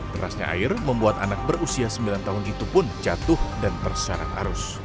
derasnya air membuat anak berusia sembilan tahun itu pun jatuh dan terseret arus